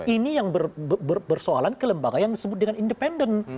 ini yang bersoalan ke lembaga yang disebut dengan independen